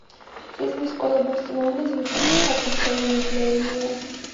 თითქმის ყველა ბოსტნეული ძვირფასი საკონსერვო ნედლეულია.